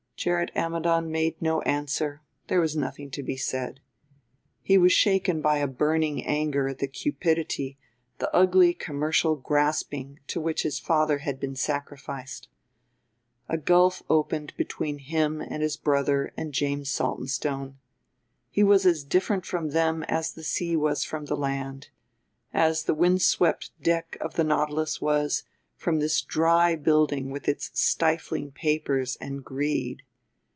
Gerrit Ammidon made no answer; there was nothing to be said. He was shaken by a burning anger at the cupidity, the ugly commercial grasping, to which his father had been sacrificed. A gulf opened between him and his brother and James Saltonstone; he was as different from them as the sea was from the land, as the wind swept deck of the Nautilus was from this dry building with its stifling papers and greed.